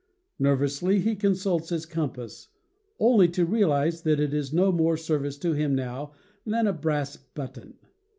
Nerv ously he consults his compass, only to realize that it is of no more service to him now than a brass button.